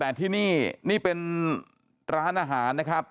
แต่ที่นี่นี่เป็นร้านอาหารนะครับ